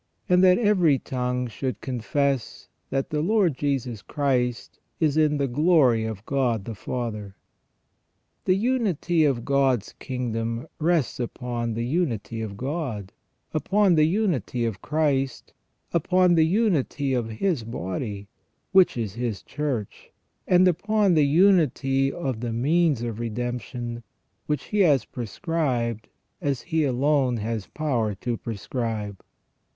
And that every tongue should confess that the Lord Jesus Christ is in the glory of God the Father." The unity of God's kingdom rests upon the unity of God, upon the unity of Christ, upon the unity of His body which is His Church, and upon the unity of the means of redemption, which He has prescribed, as He alone has power to prescribe.